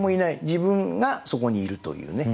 自分がそこにいるというね。